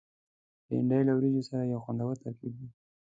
بېنډۍ له وریجو سره یو خوندور ترکیب دی